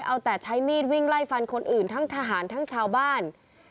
เอาแต่ใช้มีดวิ่งไล่ฟันคนอื่นทั้งทหารทั้งชาวบ้าน